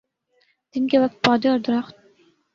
دن کے وقت پودے اور درخت